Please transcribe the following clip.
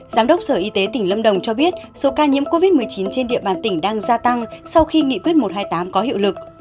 giám đốc sở y tế tỉnh lâm đồng cho biết số ca nhiễm covid một mươi chín trên địa bàn tỉnh đang gia tăng sau khi nghị quyết một trăm hai mươi tám có hiệu lực